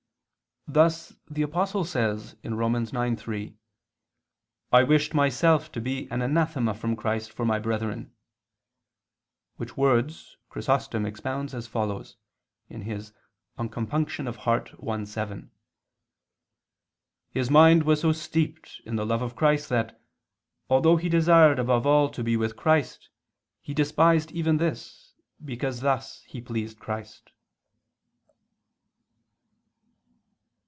Thus the Apostle says (Rom. 9:3): "I wished myself to be an anathema from Christ, for my brethren"; which words Chrysostom expounds as follows (De Compunct. i, 7 [*Ad Demetr. de Compunct. Cordis.]): "His mind was so steeped in the love of Christ that, although he desired above all to be with Christ, he despised even this, because thus he pleased Christ."